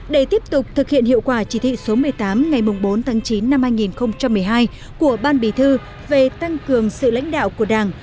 để tiếp tục thực hiện hiệu quả chỉ thị số một mươi tám ngày bốn tháng chín năm hai nghìn một mươi hai của ban bí thư về tăng cường sự lãnh đạo của đảng